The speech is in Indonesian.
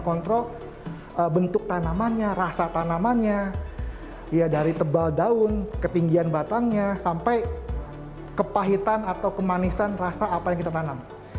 kita benar benar bisa menangani dan mengontrol bentuk tanamannya rasa tanamannya dari tebal daun ketinggian batangnya sampai kepahitan atau kemanisan rasa apa yang kita tanam